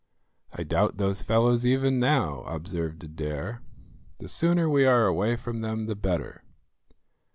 "I doubt those fellows even now," observed Adair; "the sooner we are away from them the better."